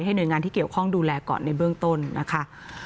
หน่วยงานที่เกี่ยวข้องดูแลก่อนในเบื้องต้นนะคะ